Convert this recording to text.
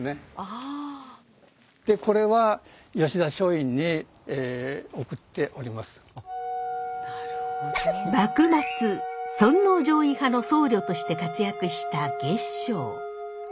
これは幕末尊王攘夷派の僧侶として活躍した月性。